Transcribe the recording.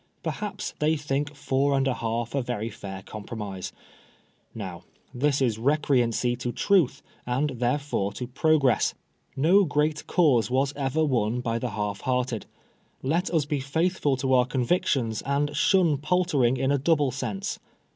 Perhaps they think four and a half a very fair compromise. Now this is recreancy to truth, and therefore to progress. No great cause was ever won by the half hearted. Xet us be faithful to our convictions, and shun paltering in a double sense.